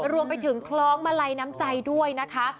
รวมไปถึงคล้องมาลัยน้ำใจด้วยนะคะ